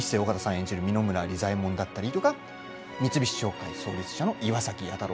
演じる三野村利左衛門だったり三菱商会創立者の岩崎弥太郎。